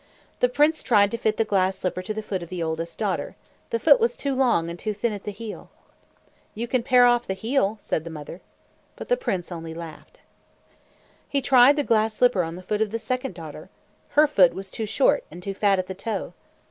The prince tried to fit the glass slipper to the foot of the oldest daughter. The foot was too long and too thin at the heel. "You can pare off the heel," said the mother. But the prince only laughed. He tried the glass slipper on the foot of the second daughter. Her foot was too short and too fat at the toe.